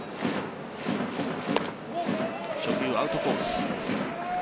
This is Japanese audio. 初球、アウトコース。